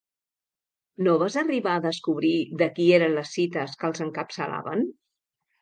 No vas arribar a descobrir de qui eren les cites que els encapçalaven?